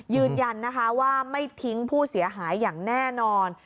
ยืนยันนะคะว่าไม่ทิ้งผู้เสียหายอย่างแน่นอน